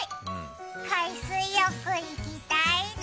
海水浴、行きたいな。